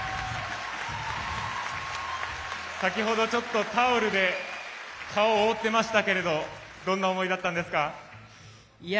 先程、ちょっとタオルで顔を覆ってましたけれどもどんな思いだったんですか。